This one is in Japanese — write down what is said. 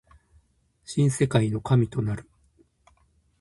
新世界の神となる